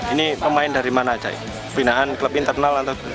ini pemain dari mana aja binaan klub internal atau